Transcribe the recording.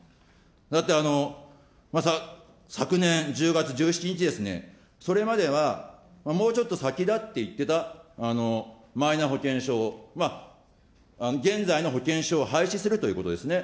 だって、昨年１０月１７日ですね、それまでは、もうちょっと先だって言ってたマイナ保険証、現在の保険証を廃止するということですね。